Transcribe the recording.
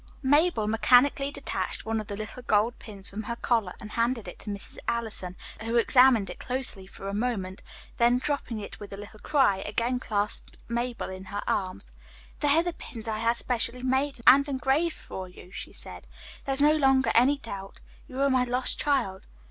Mabel mechanically detached one of the little gold pins from her collar and handed it to Mrs. Allison, who examined it closely for a moment, then dropping it with a little cry, again clasped Mabel in her arms. "They are the pins I had specially made and engraved for you," she said. "There is no longer any doubt. You are my lost child."